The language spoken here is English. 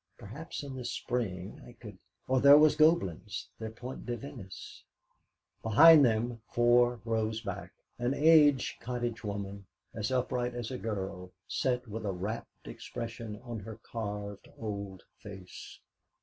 Perhaps in the spring I could Or there was Goblin's, their Point de Venise ' Behind them, four rows back, an aged cottage woman, as upright as a girl, sat with a rapt expression on her carved old face.